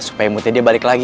supaya moodnya dia balik lagi